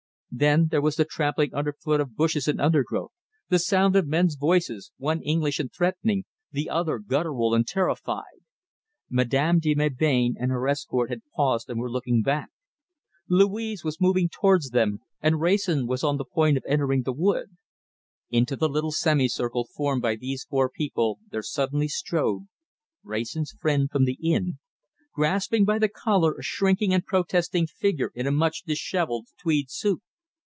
Then there was the trampling under foot of bushes and undergrowth, the sound of men's voices, one English and threatening, the other guttural and terrified. Madame de Melbain and her escort had paused and were looking back. Louise was moving towards them, and Wrayson was on the point of entering the wood. Into the little semicircle formed by these four people there suddenly strode Wrayson's friend from the inn, grasping by the collar a shrinking and protesting figure in a much dishevelled tweed suit.